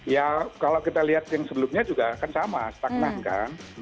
ya kalau kita lihat yang sebelumnya juga kan sama stagnan kan